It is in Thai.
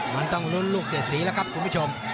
มันต้องลุ้นลูกเสียสีแล้วครับคุณผู้ชม